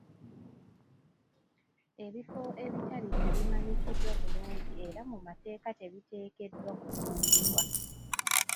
Ebifo ebitalize bimanyikiddwa bulungi era mu mateeka tebiteekeddwa kutundibwa.